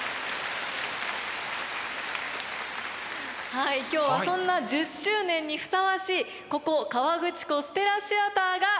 はい今日はそんな１０周年にふさわしいここ河口湖ステラシアターが今回のステージです。